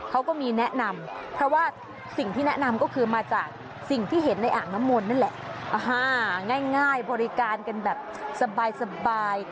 เขาก็มีแนะนำเพราะว่าสิ่งที่แนะนำก็คือมาจากสิ่งที่เห็นในอ่างน้ำมนต์นั่นแหละง่ายบริการกันแบบสบาย